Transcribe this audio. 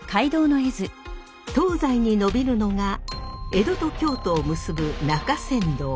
東西に延びるのが江戸と京都を結ぶ中山道。